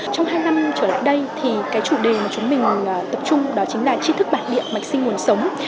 trong hai năm trở lại đây chủ đề mà chúng mình tập trung đó chính là chi thức bản địa mạch sinh nguồn sống